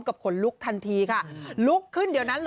กับคนลุกทันทีค่ะ